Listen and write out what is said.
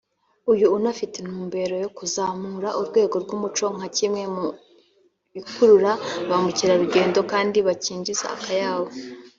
uyu anafite intumbero yo kuzamura urwego rw’umuco nka kimwe mu bikurura ba mukerarugendo kandi bikinjiza akayabo